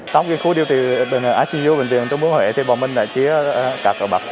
trong khu điều trị icu bệnh viện trung bướng huệ thì bọn mình đã chia cặp ở bậc